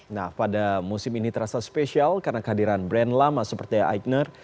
nah pada musim ini terasa spesial karena kehadiran brand lama seperti aikner